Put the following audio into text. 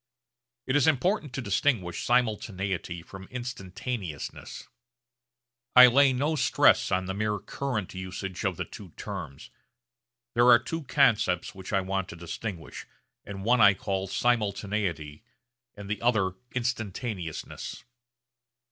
It is important to distinguish simultaneity from instantaneousness. I lay no stress on the mere current usage of the two terms. There are two concepts which I want to distinguish, and one I call simultaneity and the other instantaneousness.